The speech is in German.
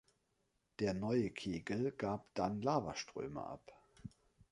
Der neue Kegel gab dann Lavaströme ab.